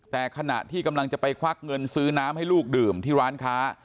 แต่ขณะที่กำลังจะไปควักเงินซื้อน้ำให้ลูกดื่มที่ร้านค้า